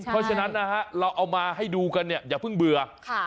เพราะฉะนั้นเราเอามาให้ดูกันอย่าเพิ่งเบื่อ